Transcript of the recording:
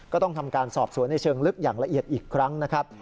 ก็ต้องทำการสอบสวนในเชิงลึกอย่างละเอียดอีกครั้งนะครับ